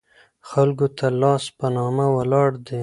خلکو ته لاس په نامه ولاړ دي.